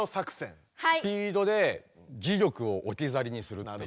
スピードで磁力をおきざりにするっていう。